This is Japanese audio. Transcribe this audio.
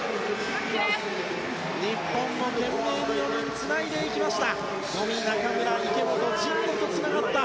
日本も懸命に４人、つないでいきました。